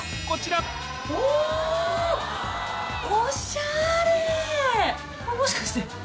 これもしかして。